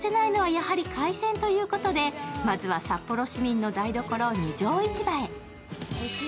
外せないのは、やはり海鮮ということで、まずは札幌市民の台所、二条市場へ。